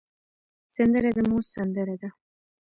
سندره د مور سندره ده